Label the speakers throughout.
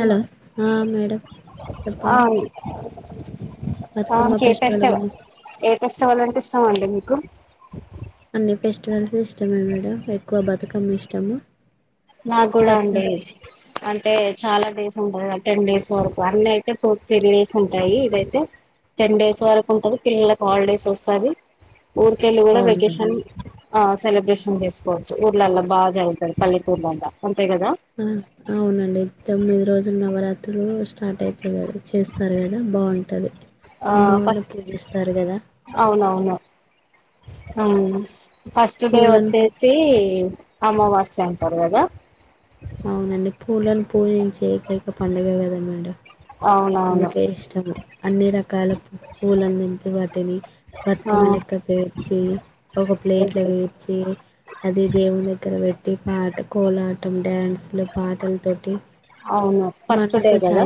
Speaker 1: Hello ఆ madam చెప్పండి
Speaker 2: ఆ
Speaker 1: బతుకమ్మ ఫెస్టివల్
Speaker 2: కేపెస్తె
Speaker 1: గురించి
Speaker 2: ఏకస్ చవలంటె ఇష్టమా అండి మీకు
Speaker 1: అన్ని ఫెస్ట్ ట్రాన్సిస్ట్ ఇష్టమే మేడం ఎక్కువ బ బతుకమ్మ ఇష్టమా
Speaker 2: నాక్కూడ అండి అంటే చాల డేస్ టెన్ డేస్ వరకు అన్నీ అయితే టూ త్రీ డేస్ ఉంటాయి ఇదయితే టెన్ డేస్ వరకు ఉంటది పిల్లలకు హాలిడేస్ వస్తాది ఊర్కెళ్ళ కూడ
Speaker 1: అవును మేడం
Speaker 2: వెకేషన్ ఆ సెలబ్రేషన్ చేసుకోవచ్చు ఊర్లళ్ళ బాగ జరుగుతది పల్లి చూద్దాం దా
Speaker 1: హుమ్ అవునండి తొమ్మిది రోజుల నవరాత్రి తురూ స్టార్ట్ అయింది చె చేస్తారు కదా బాగుంటుంది
Speaker 2: ఆ
Speaker 1: అమ్మవారిని
Speaker 2: ఫస్ట్
Speaker 1: పూజిస్తారు కదా
Speaker 2: అవును ఫస్ట్ డే
Speaker 1: పూలను
Speaker 2: వచ్చేసి అమావాస్య అంటార్ కదా
Speaker 1: అవునండి పూలను పూజించే ఏకైక పండుగ కదా మేడం
Speaker 2: అవునవును
Speaker 1: అందుకే ఇష్టము అన్ని రకాల పూలన్ తెంపి వాటిని
Speaker 2: ఆ
Speaker 1: బతుకమ్మ లెక్క పేర్చి ఒక ప్లేట్లొ
Speaker 2: ఓకే
Speaker 1: పేర్చి అది దేవుని దగ్గర పెట్టి పాట కోలాటం డ్యాన్స్లు పాటల తోటి
Speaker 2: అవును ఫస్ట్ డే కదా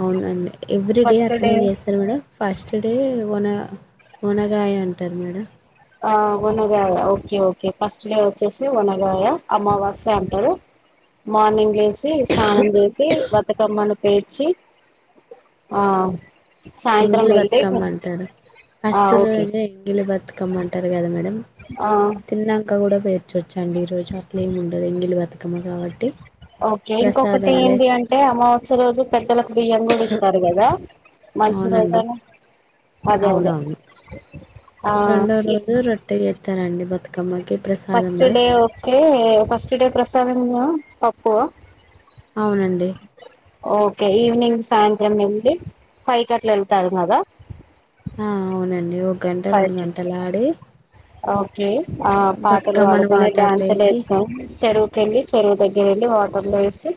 Speaker 1: అవునండి ఎవ్రీ డే అట్లనే చేస్తారు మేడం ఫాస్ట్ ఫస్ట్డే ఒన ఒనగాయ అంటారు మేడం
Speaker 2: ఆ ఒనగాయ ఓకే ఓకే ఫస్ట్ డే వచ్చేసి ఒనగాయ అమావాస్య అంటారు. మార్నింగ్ లే సి స్నానం చేసి బతుకమ్మను పేర్చి ఆ సాయంత్రం
Speaker 1: ఎంగిలి
Speaker 2: వెళ్ళి
Speaker 1: బతుకమ్మ అంటారు
Speaker 2: ఆ
Speaker 1: ఫస్ట్
Speaker 2: ఓకే
Speaker 1: రోజే ఎంగిలి బత్ కమ్మంటారు కదా మ్
Speaker 2: ఆ
Speaker 1: తిన్నాంక కూడా పేర్చొ చ్చండి ఈ రోజు అట్లలేం ఉండదు ఎంగిలి బ
Speaker 2: ఓకే ఇంకొకటి
Speaker 1: ప్రసాదంలే
Speaker 2: ఏంది అంటే అమావాస్య రోజు పెద్దలకు బియ్యం కూడా ఇస్తారు, కదా మంచి రోజు
Speaker 1: అవునండి.
Speaker 2: అని. అదే అదే
Speaker 1: అవునవును.
Speaker 2: ఆ
Speaker 1: రెండో
Speaker 2: ఇ
Speaker 1: రోజు రొట్టె చేతరండి Bathukamma
Speaker 2: first day okay అంటే ఫస్ట్ డే ప్రసాదం పప్పు
Speaker 1: అవునండి.
Speaker 2: ఓకే ఈవినింగ్ సాయంత్రం వెళ్ళి ఫైకట్ల వెళ్తావ్ కదా
Speaker 1: ఆ! అవునండి ఒక గంట
Speaker 2: ఫైవ్
Speaker 1: రెండు
Speaker 2: కి
Speaker 1: గంటలా ఆడే
Speaker 2: ఓకే ఆ పాటలు పాడుకొని డ్యాన్సులు
Speaker 1: వాటర్లేసి
Speaker 2: వేసుకొని చెరువుకెళ్ళి చెరువు దగ్గర వెళ్లి వాటర్లో వేసి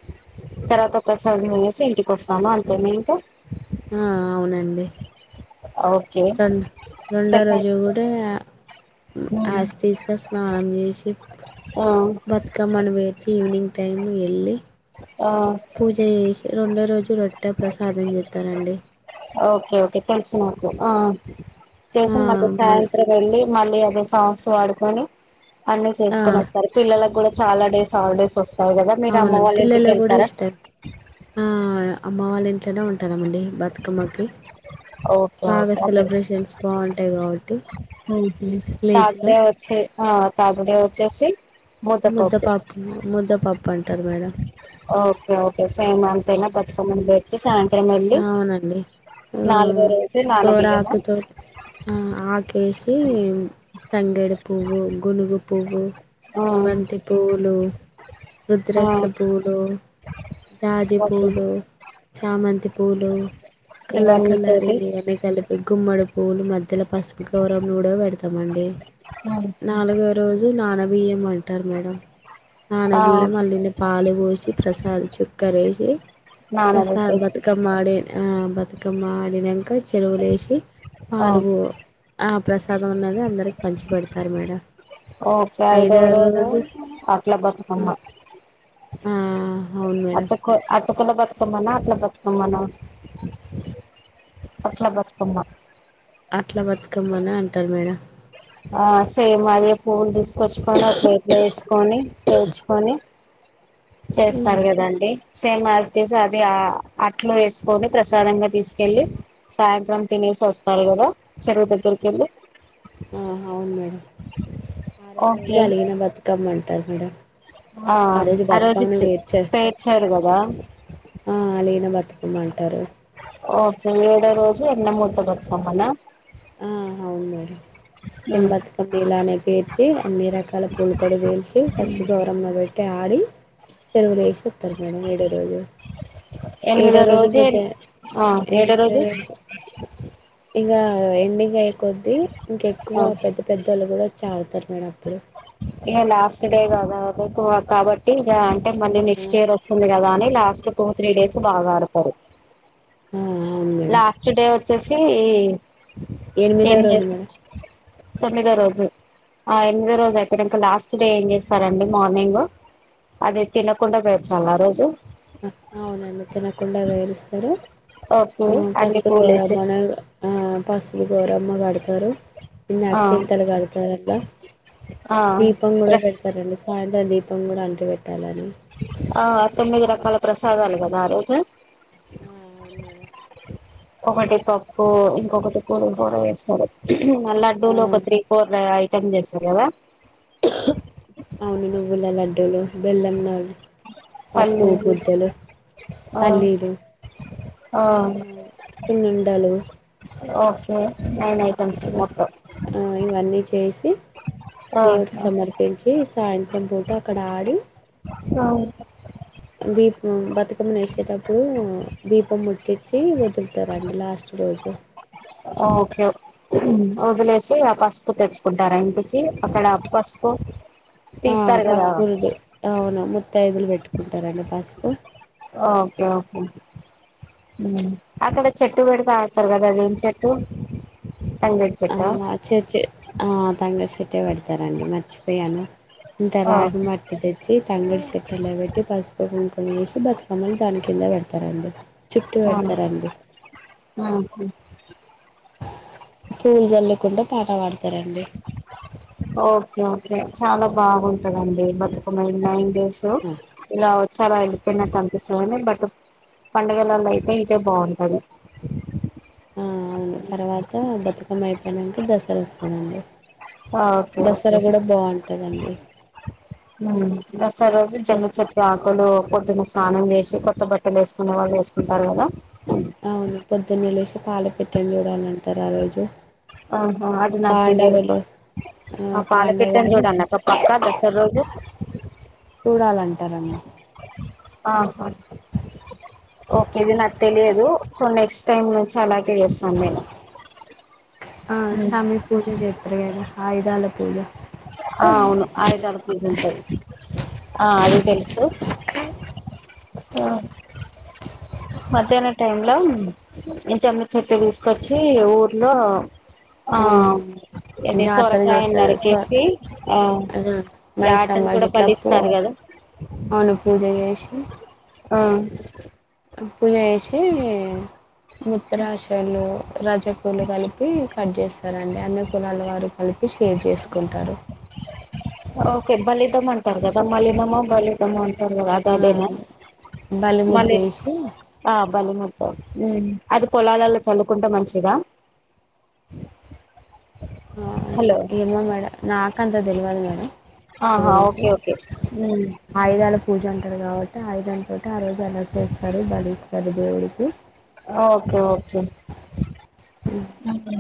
Speaker 2: తర్వాత ప్రసాదము వేసి ఇంటికి వస్తాము అంతే మీకు
Speaker 1: ఆ అవునం నండి
Speaker 2: ఓకే
Speaker 1: రెండో రెండో
Speaker 2: సెకండ్
Speaker 1: రోజు కూడా ఆస్ తీస్గా స్నానం చేసి
Speaker 2: ఆ
Speaker 1: బతుకమ్మను వేచి ఈవినింగ్ టైం వెళ్ళి
Speaker 2: ఆ
Speaker 1: పూజ చేసి రెండో రోజు రొట్టా ప్రసాదం చెస్తారండి.
Speaker 2: ఓకే ఓకే తెలుసు ఆ చేసి మళ్ళీ
Speaker 1: మళ్
Speaker 2: సాయంత్రం వెళ్ళి మళ్ళీ సాసు వాడుకోని అన్ని
Speaker 1: ఆ!
Speaker 2: చేసుకొని వస్తారు పిల్లలకి కూడా చాలా డేస్ హాలిడేస్ వస్త తావ్ కదా మీరు
Speaker 1: అవును.
Speaker 2: అమ్మ వాళ్ళ ఇంటికి
Speaker 1: పిల్లలకు గూడా
Speaker 2: వెళ్తారా
Speaker 1: ఇష్టం. అట్లనే ఉంటానమండి బతుకమ్మకి
Speaker 2: ఓకే
Speaker 1: బాగా
Speaker 2: ఓకే అక్కడ
Speaker 1: సెలబ్రేషన్స్ బాగుంటాయి కాబట్టి
Speaker 2: థర్డ్
Speaker 1: విలేజ్లో
Speaker 2: డే వచ్చే ఆ థర్డ్ డే వచ్చేసి ముత్తపప్పు
Speaker 1: ముద్దపప్పు ముద్దపప్పు అంటారు మేడం
Speaker 2: ఓకే ఓకే సేమ్ అంతనా పా సముండే చూసాన
Speaker 1: అవునండి ఆ
Speaker 2: రోజు
Speaker 1: సోర
Speaker 2: నానబియ్యము
Speaker 1: ఆకుతో ఆ ఆకేసి తంగేడి పువ్వు గునుగు పువ్వు
Speaker 2: ఆ
Speaker 1: బంతి పువ్వులు
Speaker 2: ఆ
Speaker 1: రుద్రాక్ష పువ్వులు జాజి
Speaker 2: ఓకే
Speaker 1: పూలు చామంతి పూలు కలర్
Speaker 2: ఇవన్నీ
Speaker 1: కలర్
Speaker 2: తోటి
Speaker 1: అయి అని కలిపి గుమ్మడ పువ్వులు మా ధ్యల పసుపు గౌరమ్మ కూడా పెడతాండి నాలుగో రోజు నా నా బియ్యం పెటారు మేడం నానా
Speaker 2: ఆ
Speaker 1: బియ్యం మల్లిని పాలు పోసి ప్రసాద్ చుక్కరేసి ప్రసాద
Speaker 2: నానబెట్టేసి
Speaker 1: వాడే ఆ బతు బతుకమ్మ ఆడినంక చెరువులేసి
Speaker 2: ఆ
Speaker 1: పాలు పో ఆ ప్రసాదం అన్నది అందరికి పంచి పెడతారు మేడం
Speaker 2: ఓకే ఐదావ రోజు అట్ల బతుకమ్మ
Speaker 1: ఆ అవును మేడం
Speaker 2: అటక అటుకుల బతుకమ్మనా అట్ల బ కామ్మనా అట్లా బతుకమ్మ
Speaker 1: అట్లా బతుకమ్మనా అంటారు మేడం
Speaker 2: ఆ సేమ్ అదే పూలు తీస కోచ్చుకొని ఒక ప్లేట్లో ఎసు కొని పేర్చుకొని చేస్తారు కదాండి సేమ్ యాజ్ ఇట్ ఈజ్అది అట్లు వేసుకొని ప్రసాదంగా తీసుకెళ్ళి సాయంత్రం తినేసి వస్తారు కదా చెరువు దగ్గరికి వెళ్ళి
Speaker 1: ఆ అవును మేడం ఆరో రోజు
Speaker 2: ఓకే
Speaker 1: అలిగిన బతుకమ్మ అంటారు మేడం
Speaker 2: ఆ
Speaker 1: ఆరోజు
Speaker 2: ఆ రోజు
Speaker 1: బతుకమ్ను
Speaker 2: చి
Speaker 1: పేర్చారు
Speaker 2: పేర్చారు కదా
Speaker 1: ఆ అలిగిన బత ఏమంటారు
Speaker 2: ఓకే ఏడో రోజు ఎన్న ముద్ద బతుకమ్మ నా
Speaker 1: ఆ అవ్ను మేడం ఏం బతుకమ్మ ఇలానే పేర్చి అన్ని రకాల పూలతోడు పేలిచ్చి పసుపు గౌరమ్మ పెట్టి తాడు చెరువులో ఏసి పుతరు మేడం ఏడో రోజు ఏడో రోజు కొచ్చి
Speaker 2: ఆ ఏడో
Speaker 1: ఎనిమిదో రోజు [unintelligible] [unintelligible] ఎండింగ్ అయ్యే కొద్ది ఇంక ఎక్కువ
Speaker 2: ఆ
Speaker 1: పెద్ద పెద్దవాళ్ళు కూడా వచ్చి ఆడ్తారు నేనప్పుడు
Speaker 2: ఇగ లాస్ట్ డే కదా ఎక్కువ కాబట్టి ఇగా అంటే
Speaker 1: ఆ
Speaker 2: మళ్ళీనెక్స్ట్ ఇయర్ వస్తుంది కదా అని లాస్ట్ టూ త్రీ డేస్ బాగ్ ఆడ్తారు
Speaker 1: అవును
Speaker 2: లాస్ట్ డే చేసి
Speaker 1: ఎనిమిదవ రోజు మే
Speaker 2: తొమ్మిదో రోజు ఆ ఎనిమిదో రోజు అయితే ఇంకా లాస్ట్ డే ఏం చేస్తారండి మార్నింగ్ అది తినకుండా పెర్చాలి ఆ రోజు
Speaker 1: అవునండి తినకుండా పేరుస్తారు
Speaker 2: ఓకే
Speaker 1: హ్మ్
Speaker 2: అన్ని
Speaker 1: పసుపు ద్వారా
Speaker 2: పూలేసి
Speaker 1: మొన్నగ్ ఆ పాసుబ్ గౌరమ్మ పాడుతా తరు ఇన్ని
Speaker 2: ఆ
Speaker 1: అక్షింతాలు కడతారాట్ల
Speaker 2: ఆ
Speaker 1: దీపం కూడా
Speaker 2: ప్రస్
Speaker 1: పెడతారండి సాయంత్రం ఇ దీపం కూడా అంటి పెెట్టాలని
Speaker 2: ఆ తొమ్మిది రకాల ప్రసాదాలు కదా ఆ రోజు
Speaker 1: ఆ అవును మేడం
Speaker 2: ఒకటి పప్పు ఇంకొకటి కూరలు కూడా వేస్తారు ఆ లడ్డూలు ఒక త్రీ ఫోర్ యి పనిచేస్తారు కదా
Speaker 1: అవును నువ్వుల లడ్డు లు బెల్లం నెయ్యి పప్పు
Speaker 2: పల్లి
Speaker 1: ముద్దలు
Speaker 2: ఆ
Speaker 1: పల్లీలు
Speaker 2: ఆ
Speaker 1: సున్నుండలు
Speaker 2: ఓకే నైన్ ఐటమ్స్
Speaker 1: ఇవ
Speaker 2: మొత్తం
Speaker 1: ఆ ఇవన్నీ చేసి
Speaker 2: ఆ
Speaker 1: దేవుడికి సమర్పించి సాయంత్రం పూట అక్కడ ఆడి
Speaker 2: అవున్
Speaker 1: దీపం బతుకమ్మని ఎసేటప్పుడు. దీపం ముట్టించి వదులుతారంండి లాస్ట్ రోజు.
Speaker 2: ఓకే వదిలేసి ఆ పసుపు తెచ్చుకుంటారా ఇంటికి. అక్కడ పసుపు
Speaker 1: ఆ
Speaker 2: తీస్తారు కదా
Speaker 1: పసుపురుదు అవును ముత్తైదువులు పెట్టుకుంటారండి పసుపు
Speaker 2: ఓకే ఓకే ఉమ్. అక్కడ చెట్టు పెడితే ఆడ్తారు కదా. అదేం చెట్టు తంగడి చెట్ట
Speaker 1: ఆ చర్చి ఆ తంగెడ్ చెట్టే పెడతారంండి. మర్చిపోయాను. ఇంత
Speaker 2: ఆ
Speaker 1: రాగి మట్టి తెచ్చి. తంగేడి సేట్టలేబేట్టి పసుపు, కుంకమ ఎసి బతుకమ్మలు దాని కింద పెడతారండి. చుట్టూ పెడతారంండి పూలు జళ్ళుకుంటా పాట పాడతారండి.
Speaker 2: ఓకే ఓకే చాలా బాగుంటదండి బత్ నైన్ నైన్ డేస్
Speaker 1: అవునా?
Speaker 2: ఇలా వచ్చి అలా ఏళ్ళి తిన్నటానీపిస్తోంది. బట్ పండుగలలో అయితే ఈటె బావుంటది.
Speaker 1: ఆ అవును తర్వాత బతుకమ్మ అయిపోయినంక. దసరా వస్తాదాండి.
Speaker 2: ఓకేఓకే ఊమ్ దసరా రోజు జమ్మే
Speaker 1: దస్
Speaker 2: చెట్టు ఆకులు పొద్దున స్నానం చేసి కొత్త బట్టలు ఏసుకునే వాళ్ళు ఏసుకుంటారు కదా.
Speaker 1: అవును పొద్దునేలేసి పాల పిట్టేన్ జూడాలన్
Speaker 2: ఆహా అది నాకు తెలియదక్క.
Speaker 1: పాండవులు
Speaker 2: ఆ పాలపిట్టన్ జూడల్నక్క పక్కా దసర్ రోజు.
Speaker 1: చూడాలంటారమ్మ
Speaker 2: ఆహా ఓకే ఇవీ నాకు తెలియదు. సో నెక్స్ట్ టైం నుంచి ఐ మేక్ ఎ సన్మెంట్
Speaker 1: ఆ శ్రమి పూజ చేతరుగాద ఆయుధాల పూజా
Speaker 2: ఆ అవును ఆయుధల పూజలు ఉంటాయ్. ఆ అది తెలుసు ఆ మధ్యాహ్నం టైం లో జమ్మి చెట్టు తీసుకొచ్చి ఊర్లో
Speaker 1: అవును
Speaker 2: ఆహ్ ఏది సొరకాయను నరిక్
Speaker 1: స అద
Speaker 2: యాటను
Speaker 1: మైసమ్మ
Speaker 2: కూడా
Speaker 1: ఇట్లా పో
Speaker 2: బలిస్తారు కదా
Speaker 1: అవును పూజ చేసి
Speaker 2: ఆ
Speaker 1: పూజ చేసి మూత్రాశయంలో రజకులు కలిపి కట్ చేస్ కదండి అన్ని కులాల వారు కలిపి షేర్ చేసుకుంటాడు
Speaker 2: తుమ్ అంటారు కదా మళ్ళీ నేమో బల్లి ఏమో అం మెున్న ఒక ఆట
Speaker 1: ఆ
Speaker 2: ఆడేన మొన్నే
Speaker 1: బలిముద్దేసి
Speaker 2: ఆమ్ బలముతో ఊ అది పొలాల్లలో చల్లుకుంటే మంచిదగా
Speaker 1: నా ఇంటికి ఏమో మేడం నాకంత తెలవదు మేడం వాటి
Speaker 2: ఆహా
Speaker 1: గురించి
Speaker 2: ఓకే ఓకే ఉమ్
Speaker 1: ఆయుధాల పూజ అం ఇక్కడ కాబట్టి ఆయుధాలు ఒకటి ఆ రోజు అలా చేస్తారు బలి అది దేవుడికి
Speaker 2: ఊహు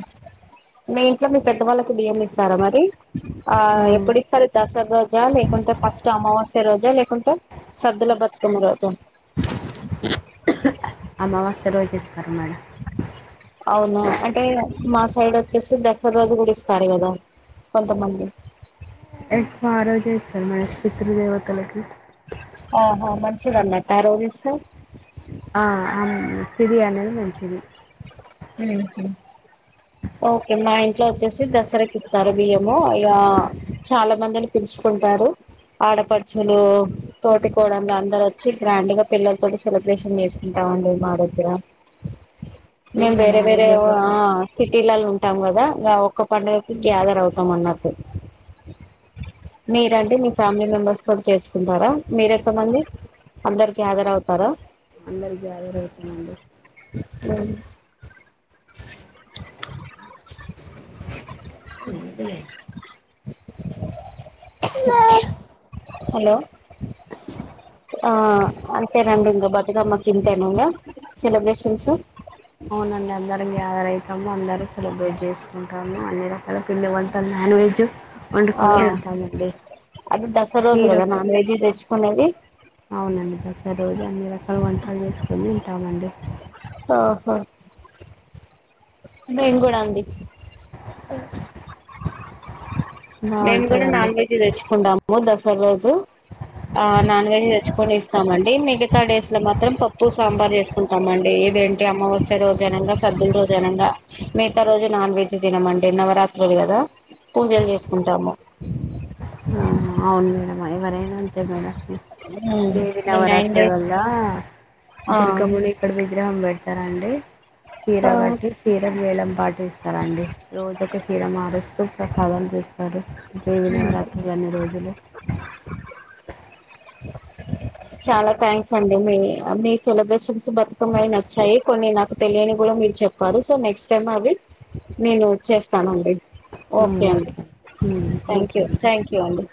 Speaker 2: మీ ఇంట్లో మీ పెద్దవాళ్ళకు బియ్యం ఇస్తారా మరి ఆ ఎప్పుడిస్తారు దసరా రోజు లేకుంట ఫస్ట్ అమావాస్య రోజా లేకుంట సద్దలో బతుకమ్మ రోజా
Speaker 1: అమావాస్య రోజు ఇస్త
Speaker 2: అవునా అంటే మా సైడ్ వచ్చేసి దసరా రోజు కుడ ఇస్తారు కదా కొంతమంది
Speaker 1: ఆ రోజే చేస్తారు మనస్ పితృ దేవతలకి
Speaker 2: ఆహా మంచిదన్నట్టు ఆ రోజు ఇస్తే
Speaker 1: ఆ ఆమ్ తిథి అనేది మంచిది
Speaker 2: ఊహు ఓకే మా ఇంట్లో వచ్చేసి దసరకి ఇస్తారు బియ్యము ఇ చాలా మందిని పిలుచుకుంటారు ఆడపడుచులు తోటికోడలు అందరు వచ్చి గ్రాండ్గా పిల్లలతో సెలబ్రేషన్ చేసుకుంటాంండి మా దగ్గర మేం
Speaker 1: ఇది మా
Speaker 2: వేరే వేరే
Speaker 1: దగ్గర
Speaker 2: ఆ
Speaker 1: కూడా
Speaker 2: పిలలు ఉంటాం కదా ఒక్క పడుగకి గ్యాదర్ అవుతాం అన్నట్ మీరంటే మీ ఫ్యామిలీ మెంబెర్స్ కూడా చేసుకుంటారా మీర ఎంత మంది అందరు గ్యాదర్ అవుతారా
Speaker 1: అందరూ గ్యాదర్ అవుతాం అండి
Speaker 2: [unintelligible] హలో ఆ అంతేనండి ఇం బతుకమ్మ కింతేను ఇంకా సెలబ్రేషన్స్
Speaker 1: అవునండి అందరం గ్యాదర్ అవుతాము అందరూ పిండివంటలు, నాన్‌వెజ్.
Speaker 2: ఆ అటు దస రోజు కదా
Speaker 1: మీరొక
Speaker 2: నాన్ వెజి తెచ్చుకునేది.
Speaker 1: అవునండి దసరా రోజు అన్ని రకాల వంటలు చేసుకుని ఉంటామండి
Speaker 2: ఆహా నేను కూడా అండి. మేము కూడా
Speaker 1: బాగుంటుందండి
Speaker 2: నాన్ వెజ్ తెచ్చుకుంటాము దసరా దాసర రోజు ఆ నాన్ వెజ్ తెచ్చుకొని ఇస్తామండి మిగతా డేస్ లో మాత్రం పప్పు సాంబార్ చేసుకుంటామండి ఏదేంటి అమావాస్య అన సర్దు రోజు అనగా మిగతా రోజు నాన్ వెజ్ తినమండి నవరాత్రులు కదా పూజలు చేస్త ఉంటాము
Speaker 1: అవును మేడంమ్ ఎవరైనా ఉంతే మేడం దేవి
Speaker 2: ఈ నైన్ డేస్
Speaker 1: నవరాత్రిలల్
Speaker 2: ఆ
Speaker 1: దుర్గమునిక్కడ బ గ్రాహం బెల్ ఇస్తడి చీర కట్టి చీర వేలం పాటి ఇస్తారండి రోజుక చీర మారుస్తూ ప్రసాదం చేస్తారు దేవి నవరాత్రులు అండి
Speaker 2: [unintelligible] చాలా థ్యాంక్స్ అండి మీ మీ సెలబ్రేషన్ బతుకమ్మవి నచ్చాయి. కొన్ని నాకు తెలియని కూడా మీరు చెప్పారు సో నెక్స్ట్ టైమ్ అవి నేనుచ్చస్తానండి. ఓకే అండి థ్యాంక్
Speaker 1: ఓకే
Speaker 2: యూ
Speaker 1: అండి
Speaker 2: థ్యాంక్ యూ అండి